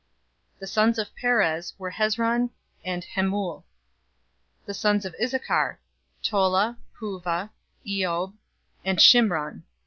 The sons of Perez were Hezron and Hamul. 046:013 The sons of Issachar: Tola, Puvah, Iob, and Shimron.